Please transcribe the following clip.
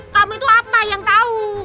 kami tuh apa yang tau